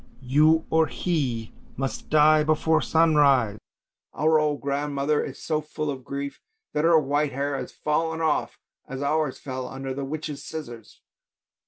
you or he must die before sunrise! Our old grandmother is so full of grief that her white hair has fallen off as ours fell under the witch's scissors.